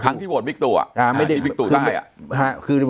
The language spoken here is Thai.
ทั้งที่โวทธ์วิกตุที่วิกตุใต้